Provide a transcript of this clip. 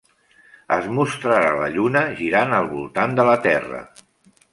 Es mostrarà la Lluna girant al voltant de la Terra.